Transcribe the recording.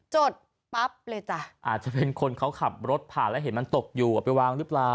จดปั๊บเลยจ้ะอาจจะเป็นคนเขาขับรถผ่านแล้วเห็นมันตกอยู่เอาไปวางหรือเปล่า